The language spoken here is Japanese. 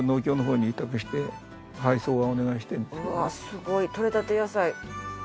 うわあすごい採れたて野菜。